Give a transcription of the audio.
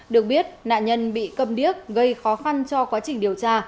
được biết nạn nhân bị cầm điếc gây khó khăn cho quá trình điều tra